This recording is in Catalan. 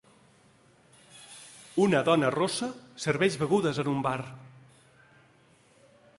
Una dona rossa serveix begudes en un bar.